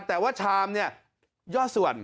แต่ว่าชามเนี่ยย่อส่วน